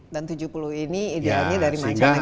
dan tujuh puluh ini idealnya dari manja negara kan